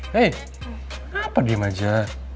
hei kenapa diem aja